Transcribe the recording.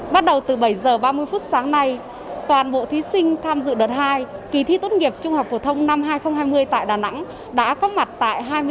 bắt đầu từ bảy h ba mươi phút sáng nay toàn bộ thí sinh tham dự đợt hai kỳ thi tốt nghiệp trung học phổ thông năm hai nghìn hai mươi tại đà nẵng đã có mặt tại